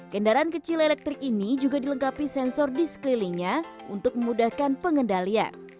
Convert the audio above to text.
kendaraan kecil elektrik ini juga dilengkapi sensor di sekelilingnya untuk memudahkan pengendalian